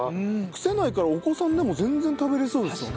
癖ないからお子さんでも全然食べられそうですよね。